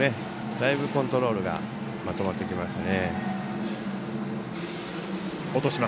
だいぶコントロールがまとまってきましたね。